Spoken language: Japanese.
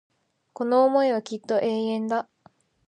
この思いはきっと永遠だ